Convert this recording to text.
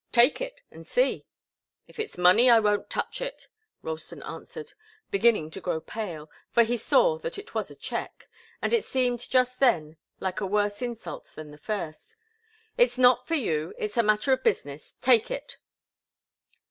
"Take it, and see." "If it's money, I won't touch it," Ralston answered, beginning to grow pale, for he saw that it was a cheque, and it seemed just then like a worse insult than the first. "It's not for you. It's a matter of business. Take it!"